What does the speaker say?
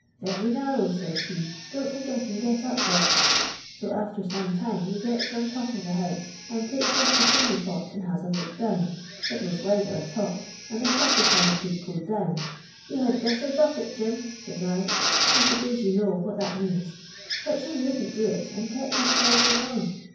' Very narrow,' says he, ' don't think I I can get up there ;' so after some time we gels on . top of the h')use. and takes ofl the chimney pot, i and has a look down — it was wider a' top, and I I thought as hi>w he could go down. * You had I b' tter buff it. .Min,' says I. I suppose yon know j what that means ; but Jim wouldn't do it, nnd I kept his trowsers on.